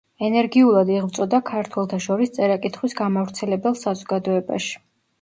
ენერგიულად იღვწოდა ქართველთა შორის წერა–კითხვის გამავრცელებელ საზოგადოებაში.